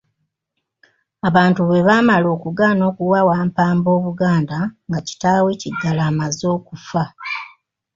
Abantu bwe baamala okugaana okuwa Wampamba Obuganda nga kitaawe Kiggala amaze okufa.